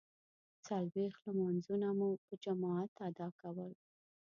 څلویښت لمانځونه مو په جماعت ادا کول.